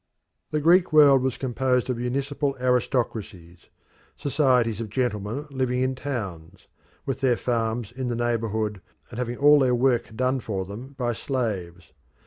The Greek world was composed of municipal aristocracies societies of gentlemen living in towns, with their farms in the neighbourhood, and having all their work done for them by slaves.